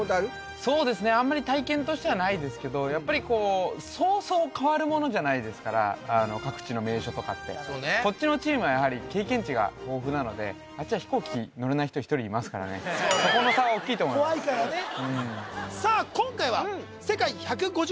そうですねあんまり体験としてはないですけどやっぱりこうそうそう変わるものじゃないですから各地の名所とかってこっちのチームはやはり経験値が豊富なのであっちは飛行機乗れない人１人いますからねそこの差は大きいと思います怖いからねさあ